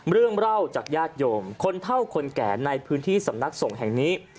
เรื่องเล่าจากญาติโยมคนเท่าคนแก่ในพื้นที่สำนักสงฆ์แห่งนี้